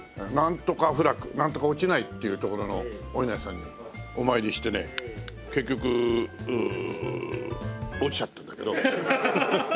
なんとか落ちないっていう所のお稲荷さんにお参りしてね結局落ちちゃったんだけど。